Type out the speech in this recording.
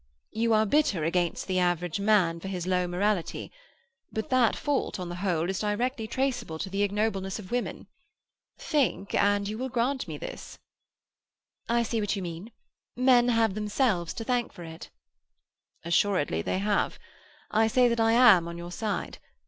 You are bitter against the average man for his low morality; but that fault, on the whole, is directly traceable to the ignobleness of women. Think, and you will grant me this." "I see what you mean. Men have themselves to thank for it." "Assuredly they have. I say that I am on your side.